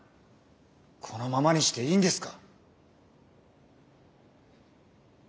このままにしていいんですか！